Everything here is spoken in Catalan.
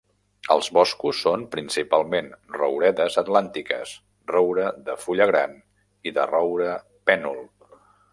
Els boscos són principalment rouredes atlàntiques; roure de fulla gran, i de roure pènol.